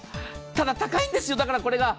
ただ、高いんですよ、これが。